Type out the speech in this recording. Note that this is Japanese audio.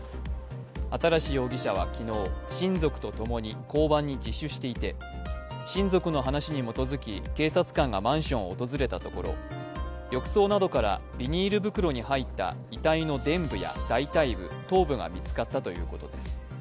新容疑者は昨日、親族とともに交番に自首していて親族の話に基づき警察官がマンションを訪れたところ、浴槽などからビニール袋に入った遺体のでん部や大腿部、頭部が見つかったということです。